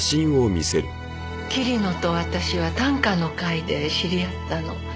桐野と私は短歌の会で知り合ったの。